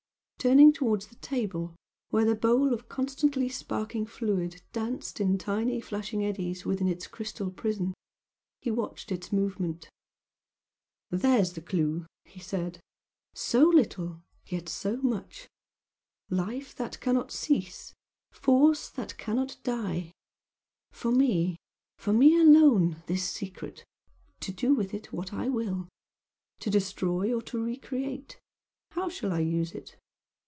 Turning towards the table where the bowl of constantly sparkling fluid danced in tiny flashing eddies within its crystal prison, he watched its movement. "There's the clue!" he said "so little yet so much! Life that cannot cease force that cannot die! For me for me alone this secret! to do with it what I will to destroy or to re create! How shall I use it?